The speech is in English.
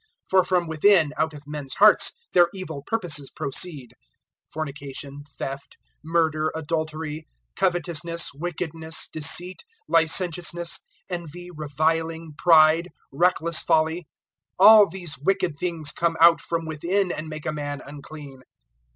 007:021 For from within, out of men's hearts, their evil purposes proceed fornication, theft, murder, adultery, 007:022 covetousness, wickedness, deceit, licentiousness, envy, reviling, pride, reckless folly: 007:023 all these wicked things come out from within and make a man unclean."